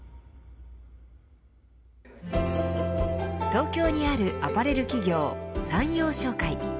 東京にあるアパレル企業三陽商会。